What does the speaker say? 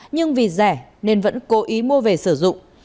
nhưng vì rẻ nên vẫn cố ý mua về sử dụng